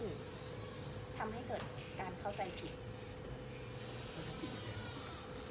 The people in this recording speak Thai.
ทำให้เกิดการเข้าใจผิด